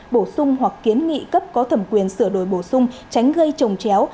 bổ sung hoặc kiến nghị cấp có thẩm quyền sửa đổi bổ sung tránh gây trồng chéo